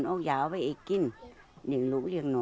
không có chúng mur aumento